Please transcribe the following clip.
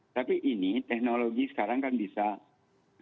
tapi ini teknologi sekarang kan bisa menyelesaikan semua itu